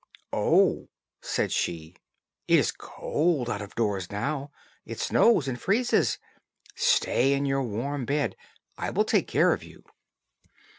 "Oh," said she, "it is cold out of doors now; it snows and freezes. Stay in your warm bed; I will take care of you."